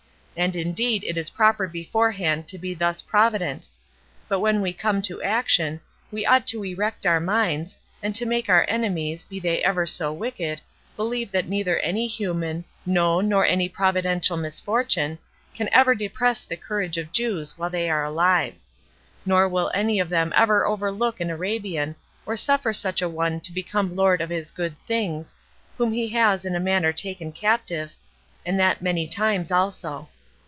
And indeed it is proper beforehand to be thus provident; but when we come to action, we ought to erect our minds, and to make our enemies, be they ever so wicked, believe that neither any human, no, nor any providential misfortune, can ever depress the courage of Jews while they are alive; nor will any of them ever overlook an Arabian, or suffer such a one to become lord of his good things, whom he has in a manner taken captive, and that many times also.